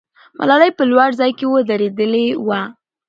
ملالۍ په لوړ ځای کې ودرېدلې وه.